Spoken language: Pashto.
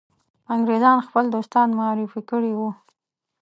انګرېزان خپل دوستان معرفي کړي وه.